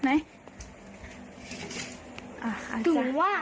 คอยแข็งสะกรรามช่วงตัวประเทศ